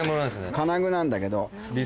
金具なんだけど。